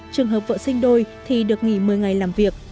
trường hợp vợ sinh đôi thì được nghỉ một mươi ngày làm việc